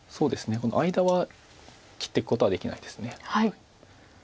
この間は切っていくことはできないです。